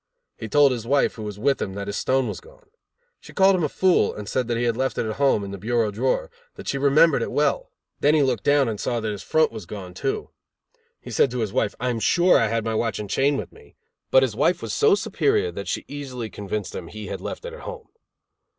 He told his wife, who was with him, that his stone was gone. She called him a fool, and said that he had left it at home, in the bureau drawer, that she remembered it well. Then he looked down and saw that his front was gone, too. He said to his wife: "I am sure I had my watch and chain with me," but his wife was so superior that she easily convinced him he had left it at home.